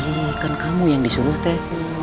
ini ikan kamu yang disuruh teh